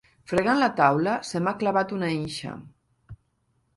Fregant la taula se m'ha clavat una inxa.